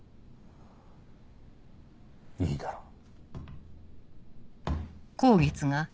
いいだろう。